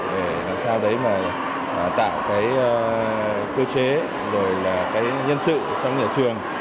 để làm sao đấy mà tạo cái cơ chế rồi là cái nhân sự trong nhà trường